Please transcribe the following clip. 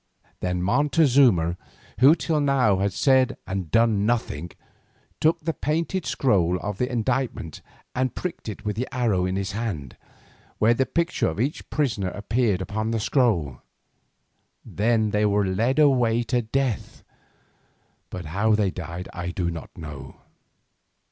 Then Montezuma, who till now had said and done nothing, took the painted scroll of their indictments and pricked it with the arrow in his hand where the picture of each prisoner appeared upon the scroll. Then they were led away to death, but how they died I do not know.